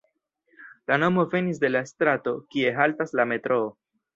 La nomo venis de la strato, kie haltas la metroo.